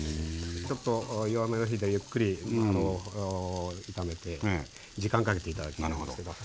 ちょっと弱めの火でゆっくり炒めて時間かけて頂きたいんですけど。